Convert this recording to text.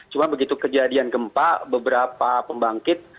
cuma begitu kejadian gempa beberapa pembangkit